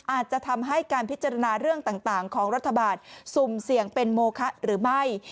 อาจจะทำให้การพิจารณาเรื่องต่างของรัฐบาลสุ่มเสี่ยงเป็นโมคะหรือไม่